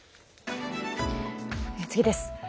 次です。